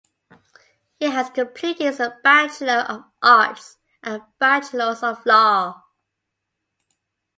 He has completed his Bachelor of Arts and Bachelors of Law.